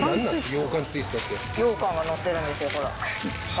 ようかんがのってるんですよほら。